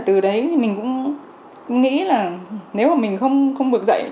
từ đấy mình cũng nghĩ là nếu mình không vượt dậy